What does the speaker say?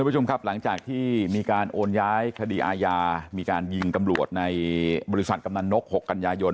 หลังจากที่มีการโอนย้ายคดีอาญามีการยิงกำรวจในบริษัทกำลังนก๖กัญญายน